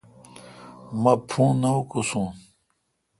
مہ پھوݨ نہ اوکوسو۔